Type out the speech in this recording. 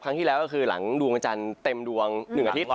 ครั้งที่แล้วก็คือหลังดวงจันทร์เต็มดวง๑อาทิตย์